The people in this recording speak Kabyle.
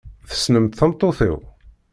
Tessnemt tameṭṭut-iw?